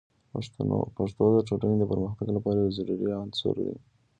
پښتو د ټولنې د پرمختګ لپاره یو ضروري عنصر دی.